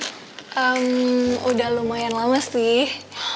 ehm udah lumayan lama sih